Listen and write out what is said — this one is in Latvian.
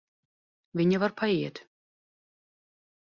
Viņa var paiet.